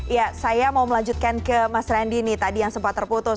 ya saya mau melanjutkan ke mas randy nih tadi yang sempat terputus